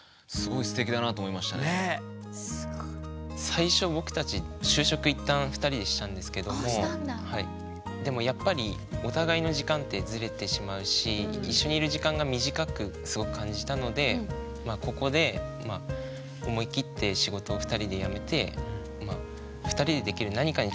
最初僕たち就職一旦２人でしたんですけどもでもやっぱりお互いの時間ってずれてしまうし一緒にいる時間が短くすごく感じたのでここでしないかってそれでへえ。